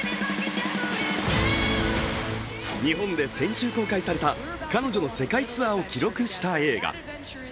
日本で先週公開された彼女の世界ツアーを記録した映画。